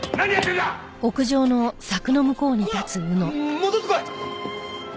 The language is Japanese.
戻ってこい！